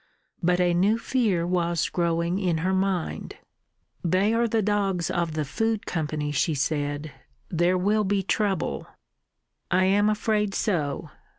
But a new fear was growing in her mind. "They are the dogs of the Food Company," she said. "There will be trouble." "I am afraid so.